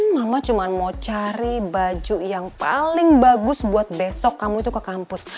mama cuma mau cari baju yang paling bagus buat besok kamu itu ke kampus